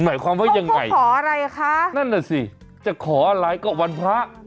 หมายความว่ายังไงนั่นแหละสิจะขออะไรก็วันพระ